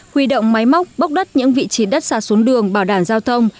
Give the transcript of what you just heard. huy động máy móc bốc đất những vị trí đất xa xuống đường bảo đảm giao thông